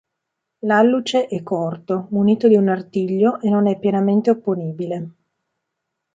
L'alluce è corto, munito di un artiglio e non è pienamente opponibile.